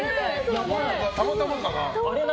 たまたまかな？